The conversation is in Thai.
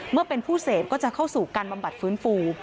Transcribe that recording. เมื่อเป็นผู้เสพก็จะเข้าสู่การบำบัดฟื้นฟู